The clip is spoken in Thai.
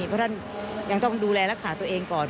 เพราะท่านยังต้องดูแลรักษาตัวเองก่อน